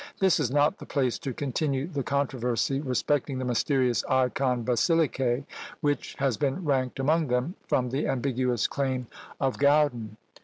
This is not the place to continue the controversy respecting the mysterious Eikon Basiliké, which has been ranked among them, from the ambiguous claim of Gauden.